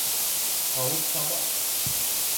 Һауыт-һаба